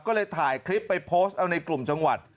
ก็เลยถ่ายคลิปไปโพสต์เอาในกลุ่มจังหวัด